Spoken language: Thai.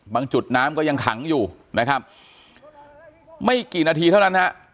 จุดน้ำก็ยังขังอยู่นะครับไม่กี่นาทีเท่านั้นฮะ